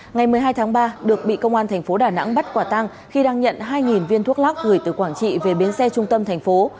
ngày một mươi hai tháng ba được bị công an thành phố đà nẵng bắt quả tăng khi đang nhận hai viên thuốc lắc gửi từ quảng trị về biến xe trung tâm thành phố